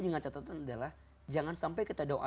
dengan catatan adalah jangan sampai kita doa